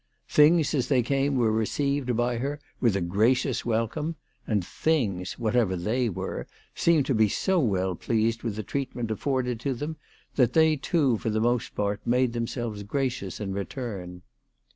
Things as they came were received by her with a gra cious welcome, and "things," whatever they were, seemed to be so well pleased with the treatment afforded to them, that they too for most part made themselves gracious in return.